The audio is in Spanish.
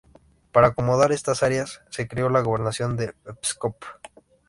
Para acomodar estas áreas, se creó la gobernación de Pskov.